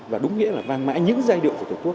và đúng nghĩa là vang mãi những giai điệu của tổ quốc